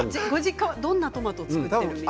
どんなトマトを作っているんですか。